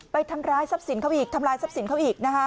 ไปทำลายทรัพย์สินเขาอีก